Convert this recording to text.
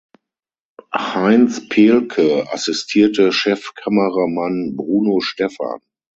Heinz Pehlke assistierte Chefkameramann Bruno Stephan.